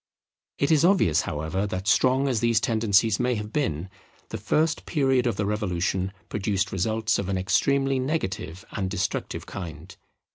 It is obvious, however, that strong as these tendencies may have been, the first period of the Revolution produced results of an extremely negative and destructive kind.